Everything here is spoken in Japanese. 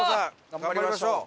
頑張りましょう！